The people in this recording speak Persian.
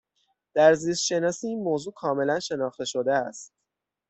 در زیست شناسی این موضوع کاملا شناخته شده است.